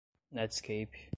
netscape